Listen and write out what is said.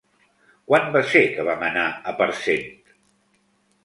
Quan va ser que vam anar a Parcent?